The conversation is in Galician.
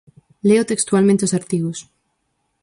Leo textualmente os artigos.